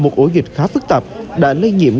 một ổ dịch khá phức tạp đã lây nhiễm